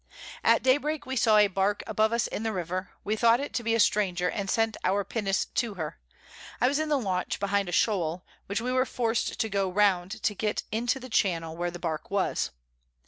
At Daybreak we saw a Bark above us in the River; we thought it to be a Stranger, and sent our Pinnace to her: I was in the Launch behind a Shole, which we were forc'd to go round to get into the Channel where the Bark was.